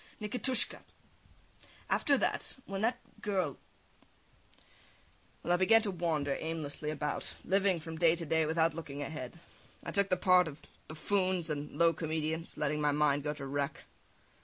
Nikitushka! After that ... when that girl ... well, I began to wander aimlessly about, living from day to day without looking ahead. I took the parts of buffoons and low comedians, letting my mind go to wreck.